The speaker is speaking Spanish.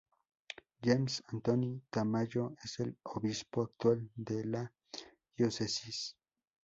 James Anthony Tamayo es el obispo actual de la diócesis.